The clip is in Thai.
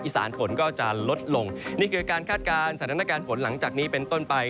สานฝนก็จะลดลงนี่คือการคาดการณ์สถานการณ์ฝนหลังจากนี้เป็นต้นไป